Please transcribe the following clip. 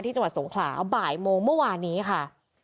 จังหวัดสงขลาบ่ายโมงเมื่อวานนี้ค่ะ